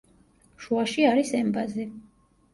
შუაში არის ემბაზი.